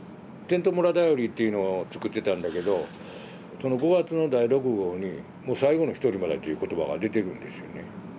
「てんと村だより」っていうのを作ってたんだけど５月の第６号にもう「最後の一人まで」という言葉が出てるんですよね。